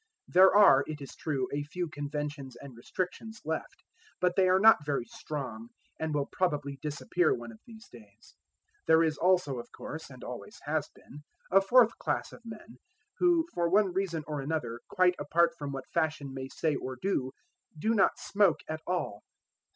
There are, it is true, a few conventions and restrictions left; but they are not very strong, and will probably disappear one of these days. There is also, of course, and always has been, a fourth class of men, who for one reason or another, quite apart from what fashion may say or do, do not smoke at all.